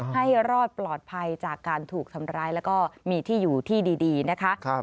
ให้รอดปลอดภัยจากการถูกทำร้ายแล้วก็มีที่อยู่ที่ดีนะคะ